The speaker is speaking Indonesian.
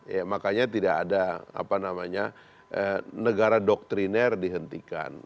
ya makanya tidak ada apa namanya negara doktriner dihentikan